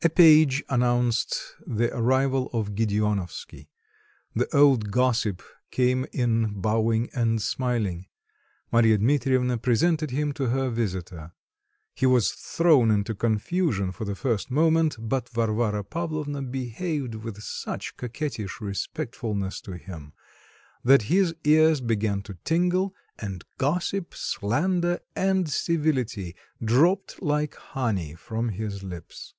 A page announced the arrival of Gedeonovsky. The old gossip came in bowing and smiling. Marya Dmitrievna presented him to her visitor. He was thrown into confusion for the first moment; but Varvara Pavlovna behaved with such coquettish respectfulness to him, that his ears began to tingle, and gossip, slander, and civility dropped like honey from his lips.